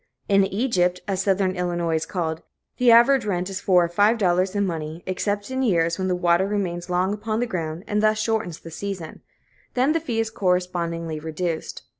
In "Egypt," as Southern Illinois is called, the average rent is four or five dollars in money, except in years when the water remains long upon the ground, and thus shortens the season; then the fee is correspondingly reduced.